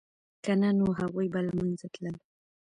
که نه نو هغوی به له منځه تلل